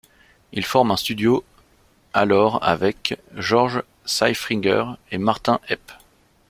Il forme un studio alors avec George Siefringer et Martin Epp.